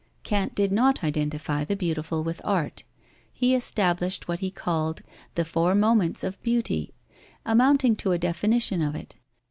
Kant did not identify the Beautiful with art. He established what he called "the four moments of Beauty," amounting to a definition of it.